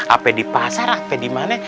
apa di pasar apa di mana